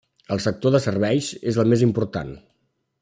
El sector de serveis és el més important.